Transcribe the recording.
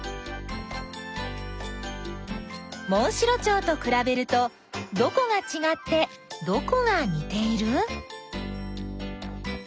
モンシロチョウとくらべるとどこがちがってどこがにている？